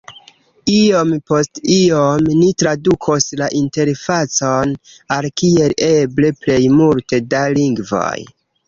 Iom post iom, ni tradukos la interfacon al kiel eble plej multe da lingvoj.